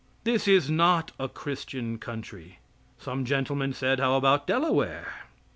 This is not a Christian country. Some gentleman said, "How about Delaware?"